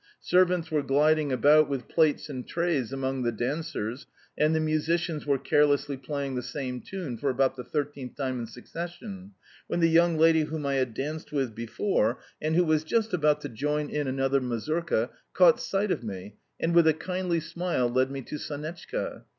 Servants were gliding about with plates and trays among the dancers, and the musicians were carelessly playing the same tune for about the thirteenth time in succession, when the young lady whom I had danced with before, and who was just about to join in another mazurka, caught sight of me, and, with a kindly smile, led me to Sonetchka.